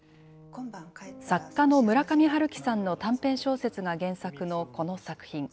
作家の村上春樹さんの短編小説が原作のこの作品。